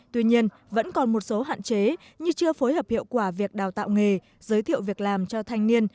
tuy nhiên vẫn còn một số hạn chế như chưa phối hợp hiệu quả việc đào tạo nghề giới thiệu việc làm cho thanh niên